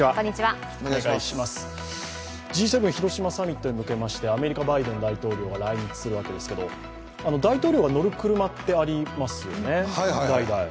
Ｇ７広島サミットへ向けまして、アメリカのバイデン大統領が来日するわけですけれども、大統領が乗る車ってありますよね、代々。